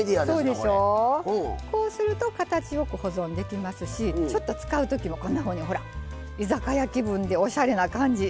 こうすると形よく保存できますしちょっと使うときは居酒屋気分でおしゃれな感じ。